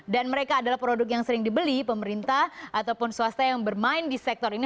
dan mereka adalah produk yang sering dibeli pemerintah ataupun swasta yang bermain di sektor ini